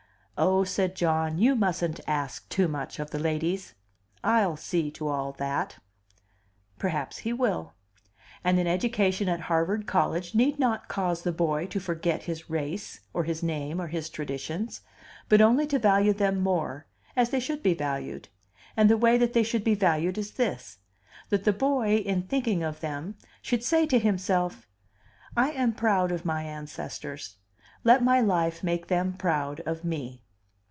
"Oh," said John, "you mustn't ask too much of the ladies. I'll see to all that." Perhaps he will. And an education at Harvard College need not cause the boy to forget his race, or his name, or his traditions, but only to value them more, as they should be valued. And the way that they should be valued is this: that the boy in thinking of them should say to himself, "I am proud of my ancestors; let my life make them proud of me."